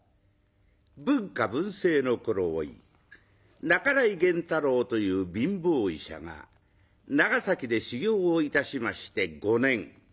文化文政の頃おい半井源太郎という貧乏医者が長崎で修業をいたしまして５年。